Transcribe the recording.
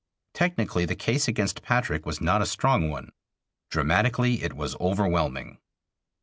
Technically the case against Patrick was not a strong one. Dramatically it was overwhelming.